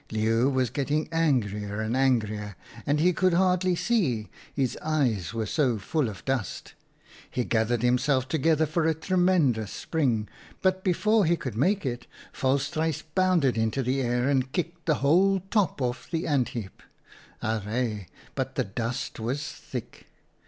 Leeuw was getting angrier and angrier, and he could hardly see — his eyes were so full of dust. He gathered himself together for a tremendous spring, but, before he could make it, Volstruis bounded into the air and kicked the whole top off the ant heap. Arre, but the dust was thick